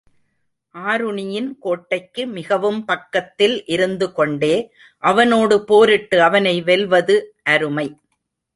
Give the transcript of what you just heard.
ஆருணியின் கோட்டைக்கு மிகவும் பக்கத்தில் இருந்து கொண்டே அவனோடு போரிட்டு அவனை வெல்வது அருமை.